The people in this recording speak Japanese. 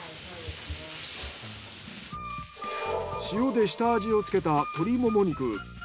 塩で下味をつけた鶏モモ肉。